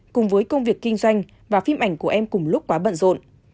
cùng với công việc kinh doanh và phim ảnh của em cùng lúc quá bận rộn